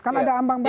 kan ada ambang batas